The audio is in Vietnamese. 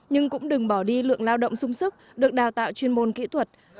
nhưng cũng đừng bỏ đi lượng lao động sung sức được đào tạo chuyên môn kỹ thuật